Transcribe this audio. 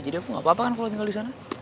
jadi aku gak apa apa kan kalau tinggal di sana